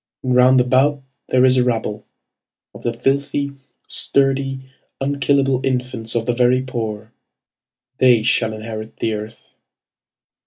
And round about there is a rabble Of the filthy, sturdy, unkillable infants of the very poor. They shall inherit the earth.